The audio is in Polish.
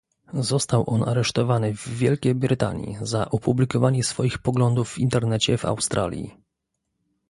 Został on aresztowany w Wielkiej Brytanii za opublikowanie swoich poglądów w Internecie w Australii